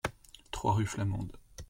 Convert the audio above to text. trois rue Flamande